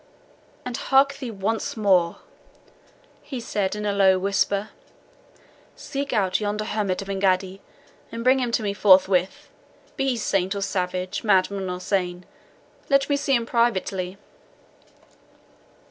And hark thee once more," he said, in a low whisper, "seek out yonder hermit of Engaddi, and bring him to me forthwith, be he saint or savage, madman or sane. Let me see him privately."